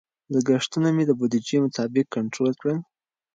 لګښتونه مې د بودیجې مطابق کنټرول کړل.